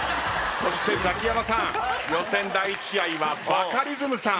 そしてザキヤマさん予選第１試合はバカリズムさん